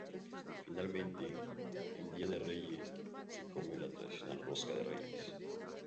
Finalmente, en Día de Reyes, se come la tradicional rosca de reyes.